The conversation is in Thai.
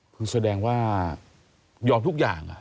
เพิ่งแสดงว่ายอมทุกอย่าง